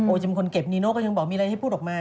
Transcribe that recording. จะเป็นคนเก็บนีโน่ก็ยังบอกมีอะไรให้พูดออกมา